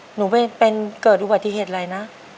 หนูไปเป็นเกิดอุบัติเหตุอะไรนะ